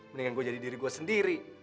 mendingan gue jadi diri gue sendiri